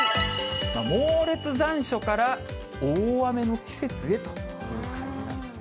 猛烈残暑から大雨の季節へという感じなんですね。